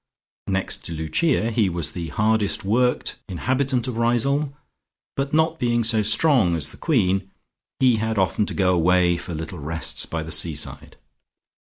Next to Lucia he was the hardest worked inhabitant of Riseholme but not being so strong as the Queen, he had often to go away for little rests by the sea side.